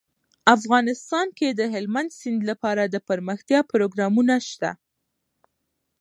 افغانستان کې د هلمند سیند لپاره دپرمختیا پروګرامونه شته.